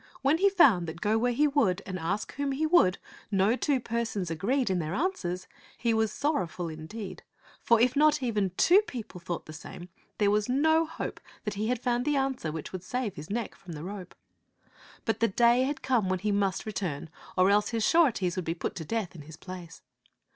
When he found that, go where he would and ask whom he would, no two persons agreed in their answers, he was sorrowful in deed; for if not even two people thought the same, there was no hope that he had found the answer which would save his neck from the rope. But the day had come when he must return, or else his sureties would be put to death in his place.